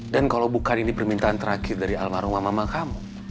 dan kalau bukan ini permintaan terakhir dari almarhum mama kamu